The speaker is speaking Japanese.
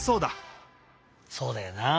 そうだよなあ